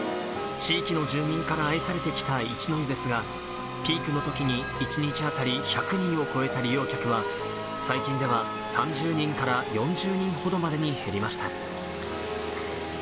地域の住民から愛されてきた一の湯ですが、ピークのときに、１日当たり１００人を超えた利用客は、最近では３０人から４０人ほどまでに減りました。